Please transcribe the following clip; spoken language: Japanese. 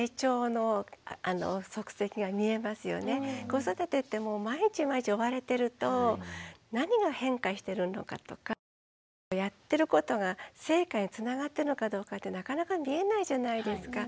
子育てって毎日毎日追われてると何が変化してるのかとかやってることが成果へつながってるのかどうかってなかなか見えないじゃないですか。